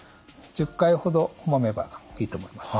１０回ほどもめばいいと思います。